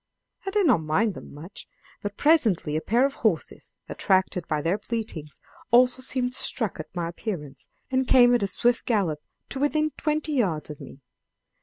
I did not mind them much, but presently a pair of horses, attracted by their bleatings, also seemed struck at my appearance, and came at a swift gallop to within twenty yards of me.